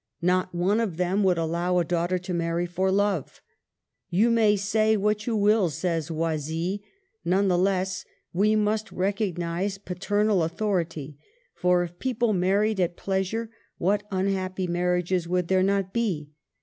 Not one of them would allow a daughter to marry for love. *' You may say what you will," says Oisille, " none the less we must recognize paternal au thority; for if people married at pleasure, what unhappy marriages would there not be